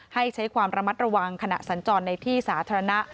ให้ใช้ความระมัดระวังขณะสัญจรในที่สาธารณะ